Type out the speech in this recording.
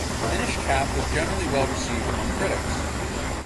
"The Minish Cap" was generally well received among critics.